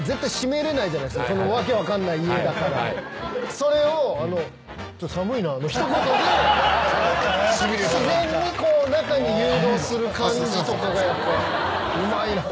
それを「寒いな」の一言で自然に中に誘導する感じとかがうまいなと思いながら。